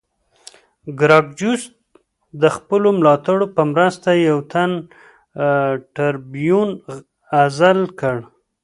ګراکچوس د خپلو ملاتړو په مرسته یو تن ټربیون عزل کړ